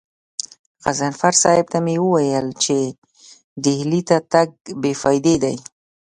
غضنفر صاحب ته مې وويل چې ډهلي ته تګ بې فايدې دی.